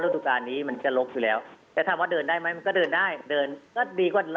สมมติทุกคนค้าเลือกใช้ทางก็ได้ที่เด็ก๒ขวบ